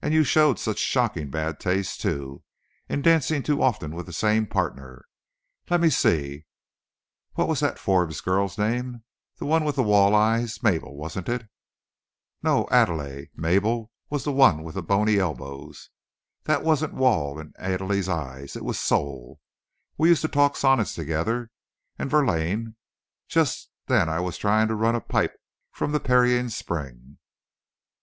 And you showed such shocking bad taste, too, in dancing too often with the same partner. Let me see, what was that Forbes girl's name—the one with wall eyes—Mabel, wasn't it?" "No; Adèle. Mabel was the one with the bony elbows. That wasn't wall in Adèle's eyes. It was soul. We used to talk sonnets together, and Verlaine. Just then I was trying to run a pipe from the Pierian spring."